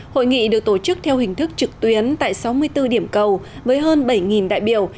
hội nghị được tổ chức theo hình thức trực tuyến tại sáu mươi bốn điểm cầu với hơn bảy đại biểu